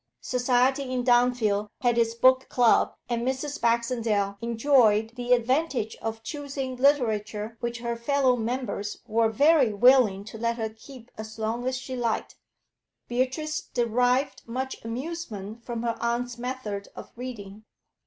Society in Dunfield had its book club, and Mrs. Baxendale enjoyed the advantage of choosing literature which her fellow members were very willing to let her keep as long as she liked. Beatrice derived much amusement from her aunt's method of reading.